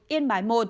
yên bái một